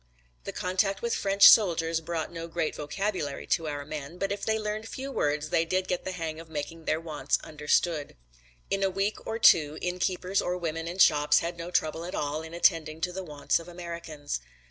The contact with French soldiers brought no great vocabulary to our men but if they learned few words they did get the hang of making their wants understood. In a week or two innkeepers or women in shops had no trouble at all in attending to the wants of Americans.